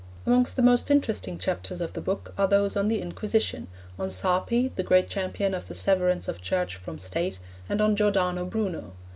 Amongst the most interesting chapters of the book are those on the Inquisition, on Sarpi, the great champion of the severance of Church from State, and on Giordano Bruno.